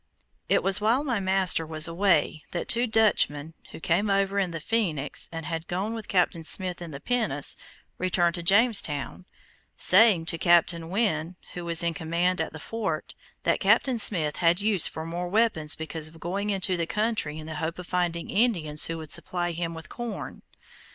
It was while my master was away that two Dutchmen, who came over in the Phoenix and had gone with Captain Smith in the pinnace, returned to Jamestown, saying to Captain Winne, who was in command at the fort, that Captain Smith had use for more weapons because of going into the country in the hope of finding Indians who would supply him with corn.